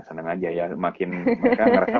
seneng aja ya makin mereka merasa